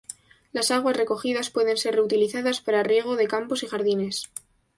Las aguas recogidas pueden ser reutilizadas para riego de campos y jardines.